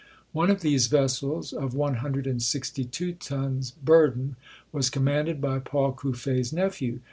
One of these vessels, of one hundred and sixty two tons burden, was commanded by Paul Cuffe's nephew.